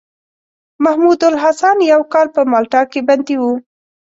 محمودالحسن يو کال په مالټا کې بندي وو.